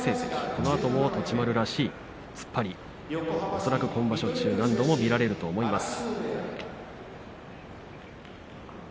このあとも栃丸らしい突っ張り恐らく今場所中何度も見られると思います。